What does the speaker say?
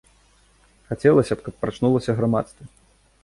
Хацелася б, каб прачнулася грамадства.